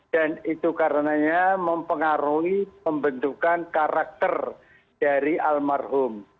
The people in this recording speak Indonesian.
dan itu karenanya mempengaruhi pembentukan karakter dari almarhum